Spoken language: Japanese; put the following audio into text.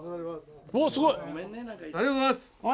おおすごい！ありがとうございます。